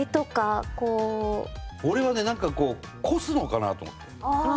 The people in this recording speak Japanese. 俺はねなんかこうこすのかなと思って。